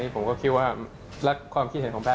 ผมคิดว่ารักความคิดเห็นของแม่